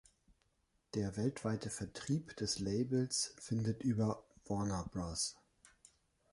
Der weltweite Vertrieb des Labels findet über Warner Bros.